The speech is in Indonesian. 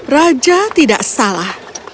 raja tidak salah